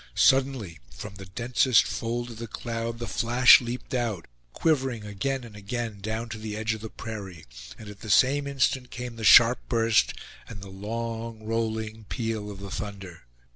Suddenly from the densest fold of the cloud the flash leaped out, quivering again and again down to the edge of the prairie; and at the same instant came the sharp burst and the long rolling peal of the thunder.